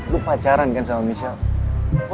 lu pacaran kan sama michelle